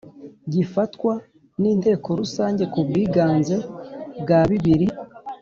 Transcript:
gifatwa n Inteko Rusange ku bwiganze bwa bibiri